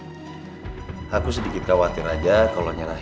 pada dasarnya sih aku mau berusaha untuk membangun bengkel kamu dalam waktu yang singkat